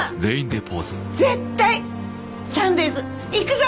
絶対サンデイズ行くぞ！